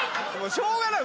しょうがない。